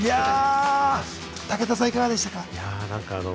武田さん、いかがでしたか？